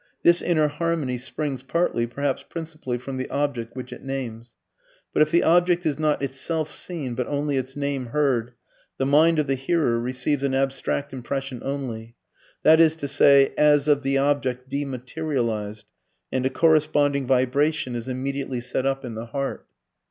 This inner harmony springs partly, perhaps principally, from the object which it names. But if the object is not itself seen, but only its name heard, the mind of the hearer receives an abstract impression only, that is to say as of the object dematerialized, and a corresponding vibration is immediately set up in the HEART.